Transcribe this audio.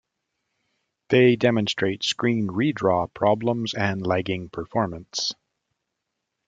They demonstrate screen redraw problems and lagging performance.